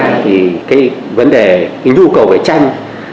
thì cái vấn đề cái nhu cầu về tranh